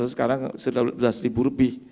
sekarang sebelas lebih